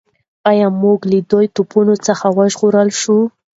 ایا موږ له دې طوفان څخه وژغورل شوو؟